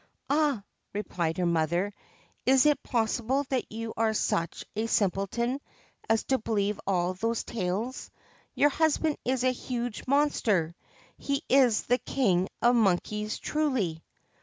' Ah 1 ' replied her mother, ' is it possible that you are such a simpleton as to believe all those tales? Your husband is a huge monster ; he is the King of monkeys truly.'